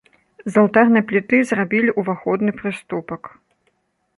З алтарнай пліты зрабілі ўваходны прыступак.